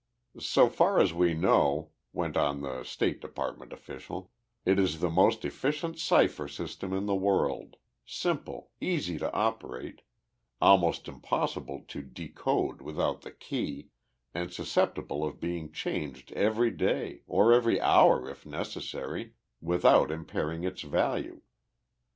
"So far as we know," went on the State Department official, "it is the most efficient cipher system in the world simple, easy to operate, almost impossible to decode without the key, and susceptible of being changed every day, or every hour if necessary, without impairing its value.